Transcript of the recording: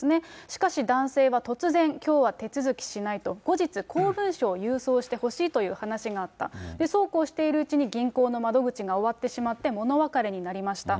しかし、男性は突然、きょうは手続きしないと、後日、公文書を郵送してほしいという話があった、そうこうしているうちに銀行の窓口が終わってしまってもの別れになりました。